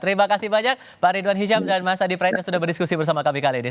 terima kasih banyak pak ridwan hijab dan mas adi praetno sudah berdiskusi bersama kami kali ini